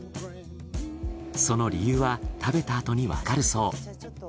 その理由は食べたあとにわかるそう。